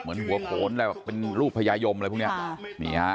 เหมือนหัวโขนอะไรเป็นรูปพญายมถึงเนี้ย